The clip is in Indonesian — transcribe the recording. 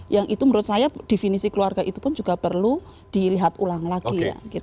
yang itu menurut saya definisi keluarga itu pun juga perlu dilihat ulang lagi